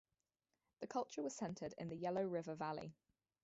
The culture was centered in the Yellow River valley.